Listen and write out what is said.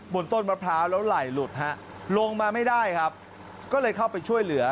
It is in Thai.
ต้นมะพร้าวแล้วไหล่หลุดฮะลงมาไม่ได้ครับก็เลยเข้าไปช่วยเหลือ